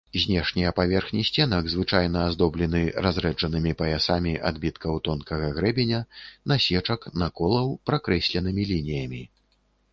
Знешнія паверхні сценак звычайна аздоблены разрэджанымі паясамі адбіткаў тонкага грэбеня, насечак, наколаў, пракрэсленымі лініямі.